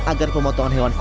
agar pemotongan hewan kurban